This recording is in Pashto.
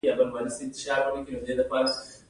په ډبرو سکرو کې د چا کار نغښتی دی